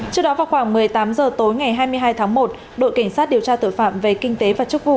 trước đó vào khoảng một mươi tám h tối ngày hai mươi hai tháng một đội cảnh sát điều tra tội phạm về kinh tế và chức vụ